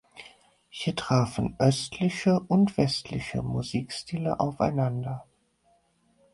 Hier trafen östliche und westliche Musikstile aufeinander.